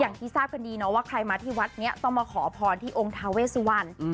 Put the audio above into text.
อย่างที่ทราบกันดีเนาะว่าใครมาที่วัดนี้ต้องมาขอพรที่องค์ทาเวสวัน